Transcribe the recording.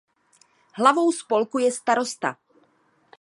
Hlavou spolku je starosta.